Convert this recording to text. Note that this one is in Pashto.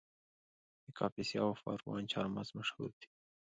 د کاپیسا او پروان چهارمغز مشهور دي